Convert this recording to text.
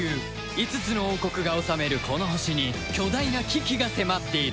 ５つの王国が治めるこの星に巨大な危機が迫っている